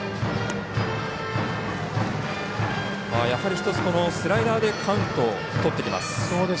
やはり、一つ、スライダーでカウントをとってきます。